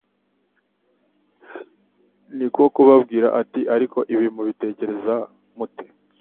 Niko kubabwira ati: "Ariko ibi mubitekereza mute:"